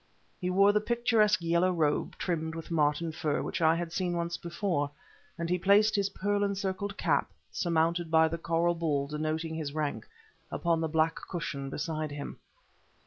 He wore the picturesque yellow robe, trimmed with marten fur, which I had seen once before, and he placed his pearl encircled cap, surmounted by the coral ball denoting his rank, upon the black cushion beside him.